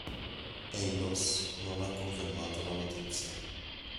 Eidos non ha confermato la notizia.